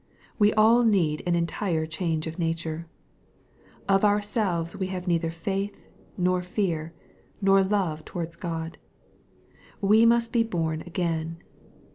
We all need an entire change of nature. Of ourselves we have neither faith, nor fear, nor love towards God. " We must be born again."